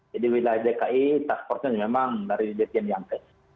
jadi wilayah dki task force memang dari jatian yangkes